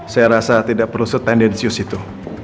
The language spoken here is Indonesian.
saya rasa tidak perlu setendentius itu